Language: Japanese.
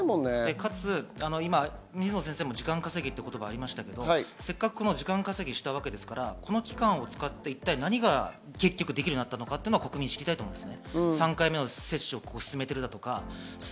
かつ、水野先生からも時間稼ぎという言葉がありましたが、せっかく時間稼ぎしたわけですから、この期間を使って一体何が結局できるようになったのか国民は知りたいと思います。